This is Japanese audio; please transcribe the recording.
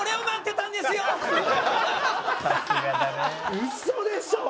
ウソでしょ。